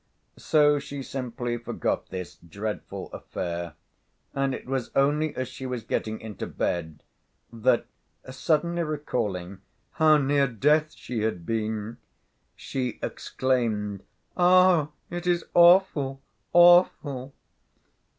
So she simply forgot this "dreadful affair," and it was only as she was getting into bed, that, suddenly recalling "how near death she had been," she exclaimed: "Ah, it is awful, awful!"